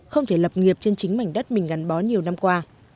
không thể lập nghiệp trên chính mảnh đất mình gắn bó nhiều năm qua